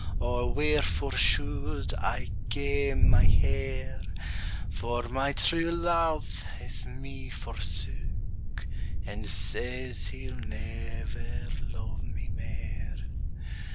Or wherefore should I kame my hair? For my true love has me forsook, And says he'll never lo'e me mair.